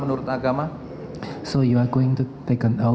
demi sang hyang adibudha